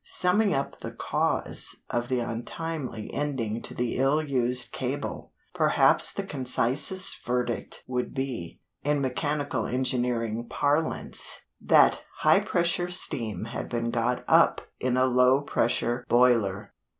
Summing up the cause of the untimely ending to the ill used cable, perhaps the concisest verdict would be, in mechanical engineering parlance, that "high pressure steam had been got up in a low pressure boiler."